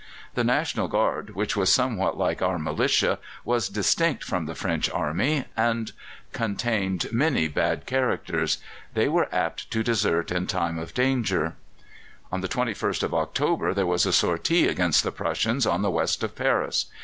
The National Guard, which was somewhat like our militia, was distinct from the French army, and contained many bad characters; they were apt to desert in time of danger. On the 21st of October there was a sortie against the Prussians on the west of Paris.